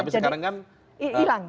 tapi kebetulan itu kebetulan